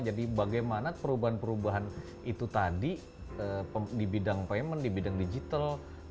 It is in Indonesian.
jadi bagaimana perubahan perubahan itu tadi di bidang payment di bidang digital